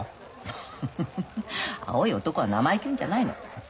フフフフフ青い男が生意気言うんじゃないの。